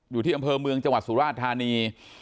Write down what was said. อยู่ที่อำเภอเมืองจังหวัดสุราชธานี